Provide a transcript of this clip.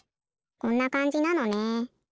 こんなかんじなのね。